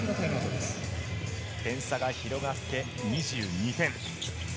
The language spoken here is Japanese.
点差が広がって２２点。